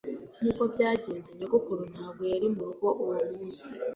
Nkuko byagenze, nyogokuru ntabwo yari murugo uwo munsi.